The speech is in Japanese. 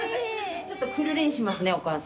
ちょっとくるりんしますねお母さん。